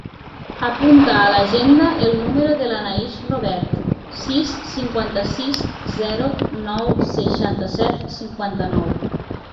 Apunta a l'agenda el número de l'Anaïs Robert: sis, cinquanta-sis, zero, nou, seixanta-set, cinquanta-nou.